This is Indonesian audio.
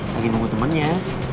lagi nunggu temennya